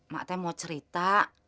mak teh mau cerita